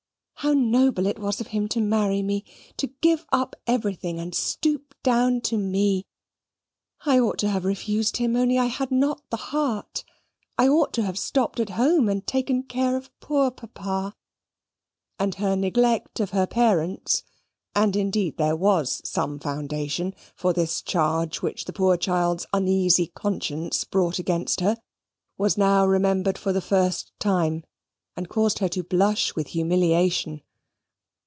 How noble it was of him to marry me to give up everything and stoop down to me! I ought to have refused him, only I had not the heart. I ought to have stopped at home and taken care of poor Papa. And her neglect of her parents (and indeed there was some foundation for this charge which the poor child's uneasy conscience brought against her) was now remembered for the first time, and caused her to blush with humiliation.